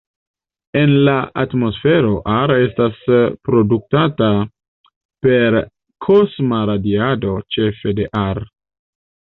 En la atmosfero, Ar estas produktata per kosma radiado, ĉefe de Ar.